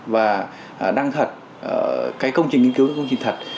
và đăng thật cái công trình nghiên cứu là công trình thật